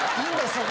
そこ。